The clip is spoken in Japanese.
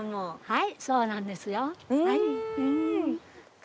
はいそうなんですよ。はい。